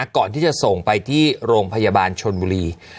ก่อนที่จะส่งไปที่โรงพยาบาลชนบุรี